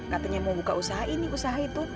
katanya mau buka usaha ini usaha itu